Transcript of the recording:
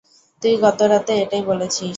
তুই গতরাতে এটাই বলেছিস।